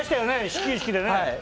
始球式でね。